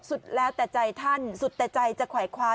สุดแล้วแต่ใจท่านสุดแต่ใจจะขวายคว้า